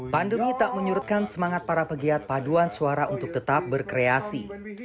pandemi tak menyurutkan semangat para pegiat paduan suara untuk tetap berkreasi